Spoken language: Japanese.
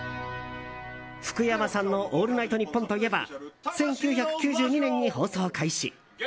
福山さんの「オールナイトニッポン」といえば１９９２年に放送開始。